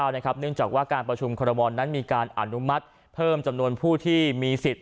เนื่องจากว่าการประชุมคอรมอลนั้นมีการอนุมัติเพิ่มจำนวนผู้ที่มีสิทธิ์